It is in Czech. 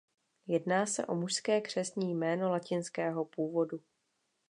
Jedná se o mužské křestní jméno latinského původu.